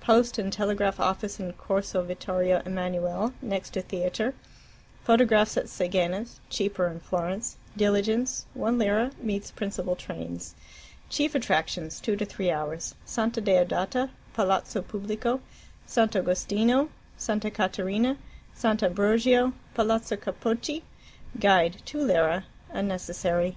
Post and Telegraph office in Corso Vittorio Emmanuele, next to theatre. Photographs at Seghena's (cheaper in Florence). Diligence (1 lira) meets principal trains. Chief attractions (2 3 hours): Santa Deodata, Palazzo Pubblico, Sant' Agostino, Santa Caterina, Sant' Ambrogio, Palazzo Capocchi. Guide (2 lire) unnecessary.